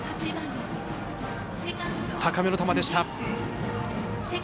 高めの球でした。